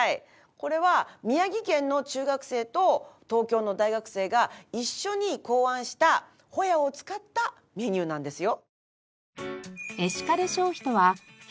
これは宮城県の中学生と東京の大学生が一緒に考案したホヤを使ったメニューなんですよ。